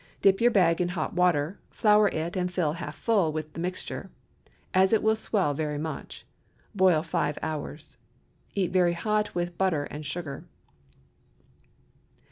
Dip your bag in hot water, flour it, and fill half full with the mixture, as it will swell very much. Boil five hours. Eat very hot with butter and sugar.